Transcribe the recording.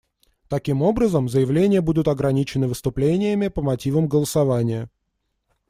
Таким образом, заявления будут ограничены выступлениями по мотивам голосования.